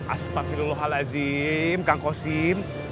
astagfirullahaladzim kang kostim